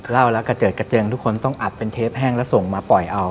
เล่าแล้วกระเจิดกระเจิงทุกคนต้องอัดเป็นเทปแห้งแล้วส่งมาปล่อยเอา